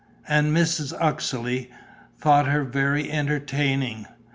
And Mrs. Uxeley thought her very entertaining.